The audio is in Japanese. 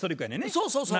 そうそうそう。